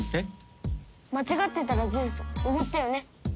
間違ってたらジュースおごってよね。